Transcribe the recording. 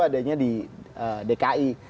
adanya di dki